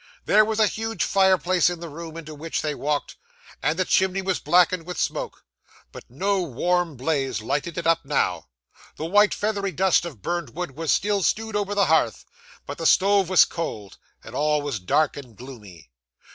There was a huge fireplace in the room into which they walked, and the chimney was blackened with smoke; but no warm blaze lighted it up now. The white feathery dust of burned wood was still strewed over the hearth, but the stove was cold, and all was dark and gloomy.